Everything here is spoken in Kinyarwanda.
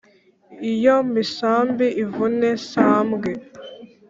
iyo misambi ivune sambwe